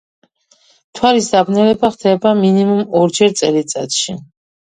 მთვარის დაბნელება ხდება მინიმუმ ორჯერ წელიწადში.